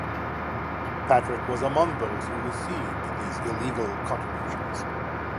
Patrick was among those who received these illegal contributions.